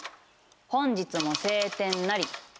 「本日も晴天なり」。